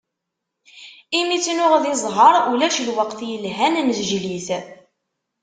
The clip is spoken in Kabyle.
Imi tt-nuɣ di ẓẓher, ulac ; lweqt yelhan nezgel-it.